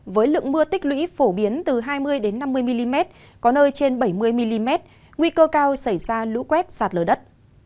với lượng mưa tích lũy phổ biến từ hai mươi năm mươi mm có nơi trên bảy mươi mm nguy cơ cao xảy ra lũ quét sạt lở đất